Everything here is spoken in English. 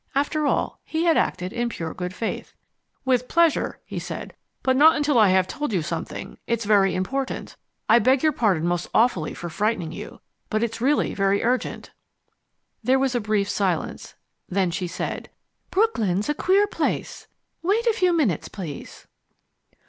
After all, he had acted in pure good faith. "With pleasure," he said, "but not until I have told you something. It's very important. I beg your pardon most awfully for frightening you, but it's really very urgent." There was a brief silence. Then she said: "Brooklyn's a queer place. Wait a few minutes, please."